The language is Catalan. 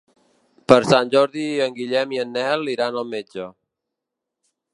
Per Sant Jordi en Guillem i en Nel iran al metge.